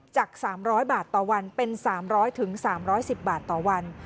จาก๓๐๐บาทต่อวันเป็น๓๐๐๓๑๐บาทต่อวัน